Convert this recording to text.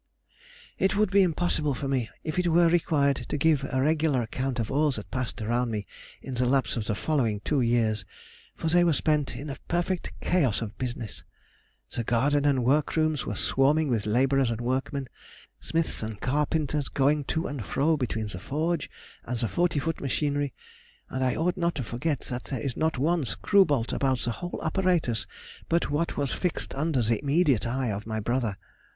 It would be impossible for me, if it were required, to give a regular account of all that passed around me in the lapse of the following two years, for they were spent in a perfect chaos of business. The garden and workrooms were swarming with labourers and workmen, smiths and carpenters going to and fro between the forge and the forty foot machinery, and I ought not to forget that there is not one screw bolt about the whole apparatus but what was fixed under the immediate eye of my brother.